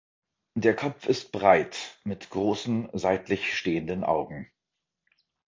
Der Kopf ist breit mit großen seitlich stehenden Augen.